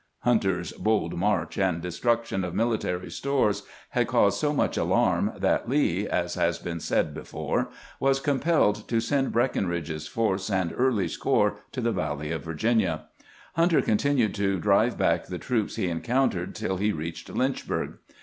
" Hunter's bold march and destruction of military stores had caused so much alarm that Lee, as has been said before, was compelled to send Breckinridge's force and Early's corps to the valley of Virginia. Hunter contin ued to drive back the troops he encountered till he reached Lynchburg.